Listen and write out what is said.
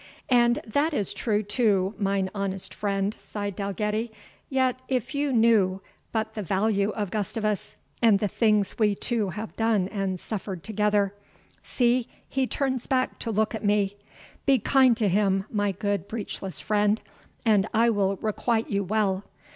"And that is true too, mine honest friend," sighed Dalgetty; "yet if you knew but the value of Gustavus, and the things we two have done and suffered together See, he turns back to look at me! Be kind to him, my good breechless friend, and I will requite you well."